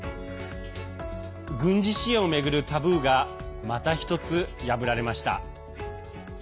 軍事支援を巡るタブーがまた１つ、破られました。